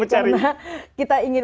mencari karena kita ingin